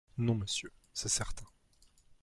Non, monsieur, c’est certain.